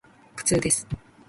苦痛です。